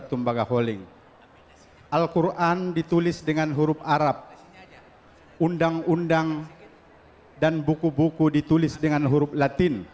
tentang prosesi ini saya ingin mengucapkan kepada anda